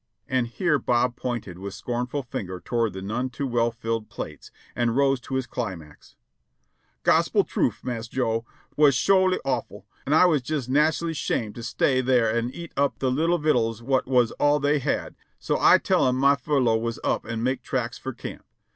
And here Bob pointed with scornful finger toward the none too well filled plates, and rose to his climax : "Gospil trufe, Marse Joe ; 'twas sholy awful, an' I was jes' nach ally shame' to stay thar an' eat up the little vittels what was all they had ; an' so I tell 'em my furlo' was up and make tracks fer camp.